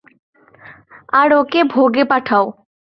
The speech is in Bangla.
আর ওকে ভোগে পাঠাও।